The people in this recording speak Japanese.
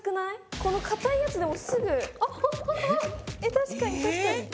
確かに確かに！